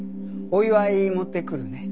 お祝い持ってくるね。